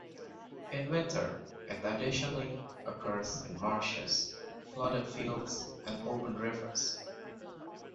In winter, it additionally occurs in marshes, flooded fields, and open rivers.